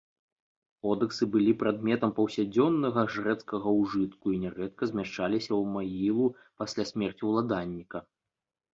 Кодэксы былі прадметам паўсядзённага жрэцкага ўжытку і нярэдка змяшчаліся ў магілу пасля смерці ўладальніка.